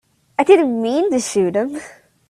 I didn't mean to shoot him.